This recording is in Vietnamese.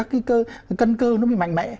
cân cơ nó mới mạnh mẽ